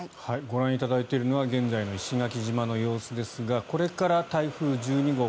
ご覧いただいているのは現在の石垣島の様子ですがこれから台風１２号